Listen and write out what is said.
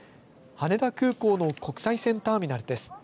羽田空港の国際線ターミナルです。